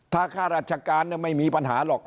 ถ้าข้าราชการไม่มีปัญหาหรอก